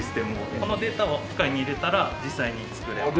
このデータを機械に入れたら実際に作れます。